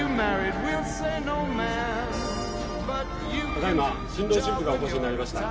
ただいま新郎新婦がお越しになりました。